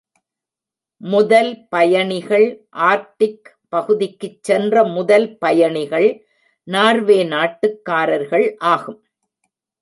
முதல் பயணிகள் ஆர்க்டிக் பகுதிக்குச் சென்ற முதல் பயணிகள் நார்வே நாட்டுக்காரர்கள் ஆகும்.